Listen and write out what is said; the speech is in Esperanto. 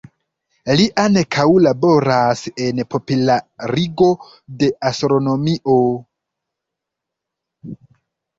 Li ankaŭ laboras en popularigo de astronomio.